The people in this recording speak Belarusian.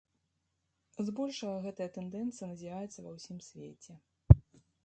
Збольшага гэтая тэндэнцыя назіраецца ва ўсім свеце.